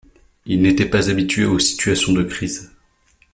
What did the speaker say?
Il n’était pas habitué aux situations de crise.